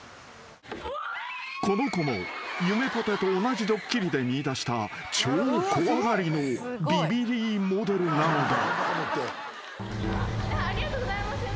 ［この子もゆめぽてと同じドッキリで見いだした超怖がりのビビリモデルなのだ］